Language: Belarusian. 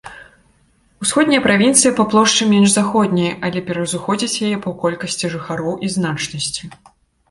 Усходняя правінцыя па плошчы менш заходняй, але пераўзыходзіць яе па колькасці жыхароў і значнасці.